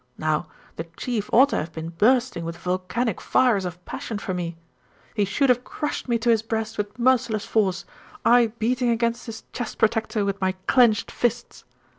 Now the Chief ought to have been bursting with volcanic fires of passion for me. He should have crushed me to his breast with merciless force, I beating against his chest protector with my clenched fists.